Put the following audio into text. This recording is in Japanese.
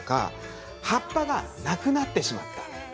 葉っぱがなくなってしまった。